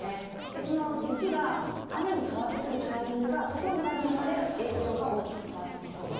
その雪が雨に変わってくるタイミングが、どこになるのかで影響が大きく変わってきそうです。